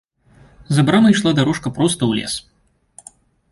За брамай ішла дарожка проста ў лес.